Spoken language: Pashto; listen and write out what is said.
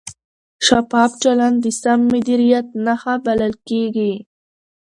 شفاف چلند د سم مدیریت نښه بلل کېږي.